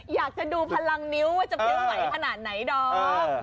อยากจะดูพลังนิ้วว่าจะพลิกไหวขนาดไหนดอม